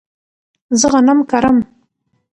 زه غنم کرم